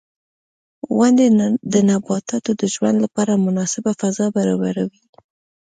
• غونډۍ د نباتاتو د ژوند لپاره مناسبه فضا برابروي.